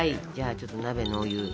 じゃあちょっと鍋のお湯。